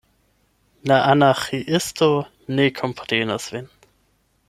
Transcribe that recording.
La Anarĥiisto ne komprenas vin.